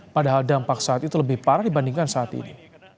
padahal dampak saat itu lebih parah dibandingkan saat ini